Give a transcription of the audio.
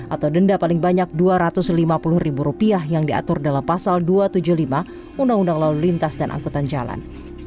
atau denda paling banyak dua ratus lima puluh ribu rupiah yang diatur dalam pasal dua ratus tujuh puluh lima undang undang lalu lintas dan angkutan jalan